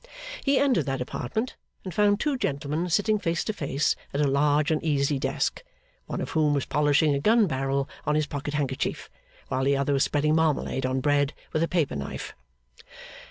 He entered that apartment, and found two gentlemen sitting face to face at a large and easy desk, one of whom was polishing a gun barrel on his pocket handkerchief, while the other was spreading marmalade on bread with a paper knife.